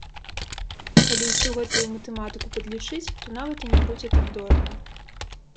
Калі ўсю гэтую матэматыку падлічыць, то нават і не будзе так дорага.